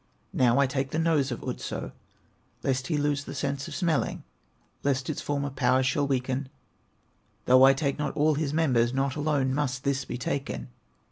"Now I take the nose of Otso, Lest he lose the sense of smelling, Lest its former powers shall weaken; Though I take not all his members, Not alone must this be taken.